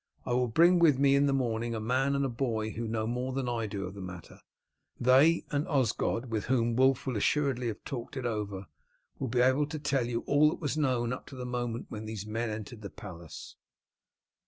I will bring with me in the morning a man and a boy who know more than I do of the matter; they and Osgod, with whom Wulf will assuredly have talked it over, will be able to tell you all that was known up to the moment when these men entered the palace."